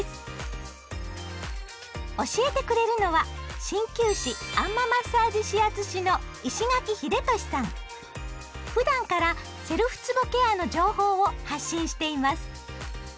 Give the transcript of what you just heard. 教えてくれるのは鍼灸師あん摩マッサージ指圧師のふだんからセルフつぼケアの情報を発信しています。